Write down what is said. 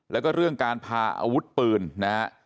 แล้วก็เรื่องการพาอาวุธปืนนะฮะ